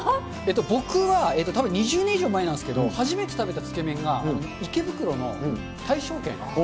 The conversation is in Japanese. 僕は、たぶん２０年以上前なんですけど、初めて食べたつけ麺が池袋の大勝軒なんです。